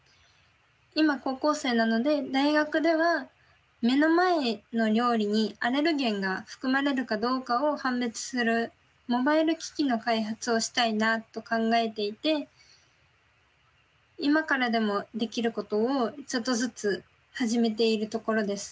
今高校生なので大学では目の前の料理にアレルゲンが含まれるかどうかを判別するモバイル機器の開発をしたいなと考えていて今からでもできることをちょっとずつ始めているところです。